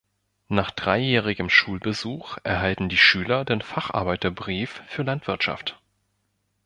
Nach dreijährigem Schulbesuch erhalten die Schüler den Facharbeiterbrief für Landwirtschaft.